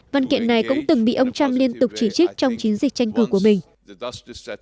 văn kiện này cũng từng bị ông trump liên tục chỉ trích trong chiến dịch tranh cử của mình